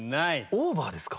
オーバーですか？